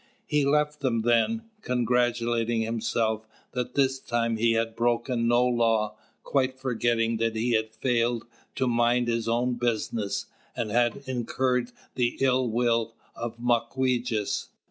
He left them, congratulating himself that this time he had broken no law, quite forgetting that he had failed to "mind his own business" and had incurred the ill will of Mawquejess.